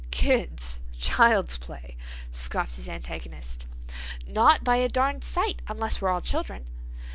"Kids—child's play!" scoffed his antagonist. "Not by a darned sight—unless we're all children.